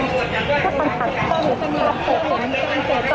สวัสดีครับสวัสดีครับ